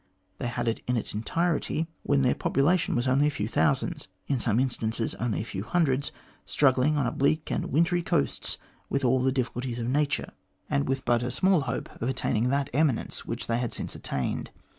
They had it in its entirety when their population was only a few thousands in some instances only a few hundreds struggling on a bleak and wintry coast with all the difficulties of Nature, 244 THE GLADSTONE COLONY and with but a small hope of attaining that eminence which they had since attained.